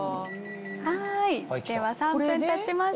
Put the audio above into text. はいでは３分たちました。